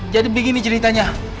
jadi begini ceritanya